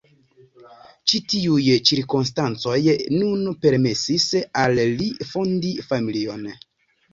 Ĉi tiuj cirkonstancoj nun permesis al li fondi familion.